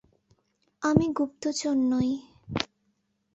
আমি গুপ্তচর নই!